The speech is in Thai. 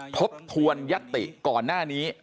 ทบทวนยัตติก่อนหน้านี้